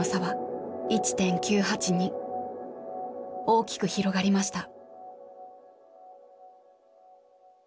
大きく広がりました。